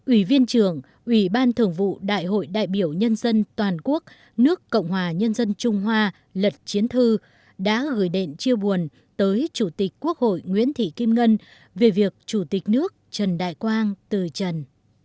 ủy viên trưởng ủy ban thường vụ đại hội đại biểu nhân dân toàn quốc nước cộng hòa nhân dân trung hoa lật chiến thư đã gửi điện chia buồn tới chủ tịch quốc hội nguyễn thị kim ngân về việc chủ tịch nước trần đại quang từ trần